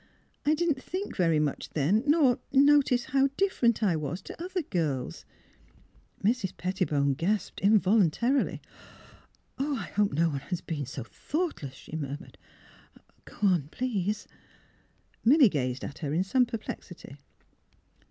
I didn't think very much then ; nor — nor notice how different I was to other girls " Mrs. Pettibone gasped involuntarily. *' Oh, I hope no one has been so thoughtless," she murmured. " Go on, please." Milly gazed at her in some perplexity.